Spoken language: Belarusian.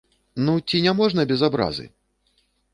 Ну, ці не можна без абразы.